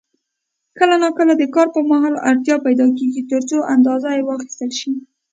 کله نا کله د کار پر مهال اړتیا پیدا کېږي ترڅو اندازه واخیستل شي.